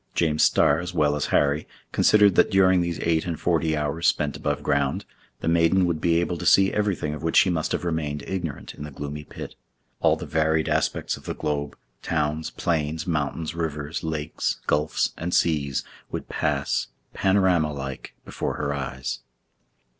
James Starr, as well as Harry, considered that during these eight and forty hours spent above ground, the maiden would be able to see everything of which she must have remained ignorant in the gloomy pit; all the varied aspects of the globe, towns, plains, mountains, rivers, lakes, gulfs, and seas would pass, panorama like, before her eyes.